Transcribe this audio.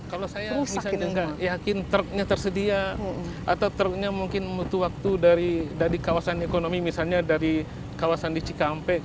kalau saya misalnya nggak yakin truknya tersedia atau truknya mungkin butuh waktu dari kawasan ekonomi misalnya dari kawasan di cikampek